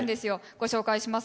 ご紹介します。